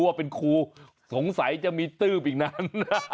คุณครูสงสัยจะมีตื้บอีกนั้น